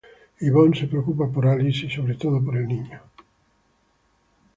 Ivonne se preocupa por Alice y sobre todo por el niño.